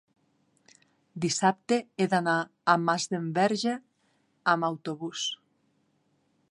dissabte he d'anar a Masdenverge amb autobús.